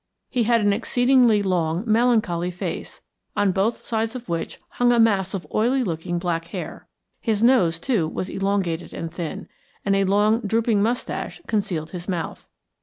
He had an exceedingly long, melancholy face, on both sides of which hung a mass of oily looking black hair; his nose, too, was elongated and thin, and a long drooping moustache concealed his mouth.